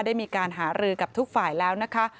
ได้มีการหารือกับทุกฝ่ายแล้วนะคะ